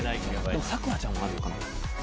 でも咲楽ちゃんはあるかも。